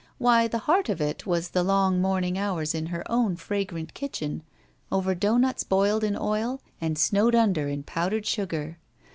Why, the heart of it was the long morning hours in her own fragrant kitchen over doughnuts boiled in oil and snowed under in powdered sugar!